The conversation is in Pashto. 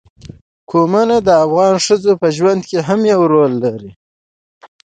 قومونه د افغان ښځو په ژوند کې هم یو رول لري.